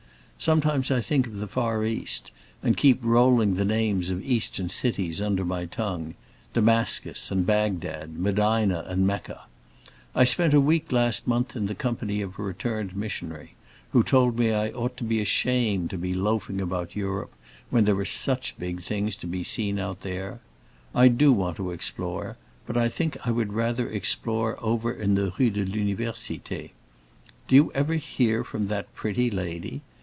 Sometimes I think of the far East, and keep rolling the names of Eastern cities under my tongue: Damascus and Bagdad, Medina and Mecca. I spent a week last month in the company of a returned missionary, who told me I ought to be ashamed to be loafing about Europe when there are such big things to be seen out there. I do want to explore, but I think I would rather explore over in the Rue de l'Université. Do you ever hear from that pretty lady?